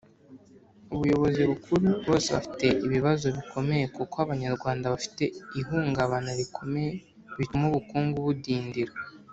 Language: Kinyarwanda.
ubuyobozi bukuru bose bafite ibibazo bikomeye kuko abanyarwanda bafite ihungabana rikomeye bituma ubukungu budindira.